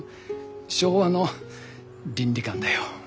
昭和の倫理観だよ。